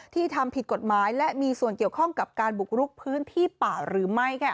ที่ทำผิดกฎหมายและมีส่วนเกี่ยวข้องกับการบุกรุกพื้นที่ป่าหรือไม่